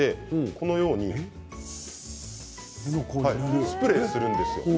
このようにスプレーをするんです。